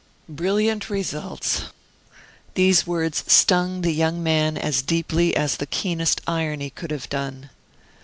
"Brilliant results!" These words stung the young man as deeply as the keenest irony could have done.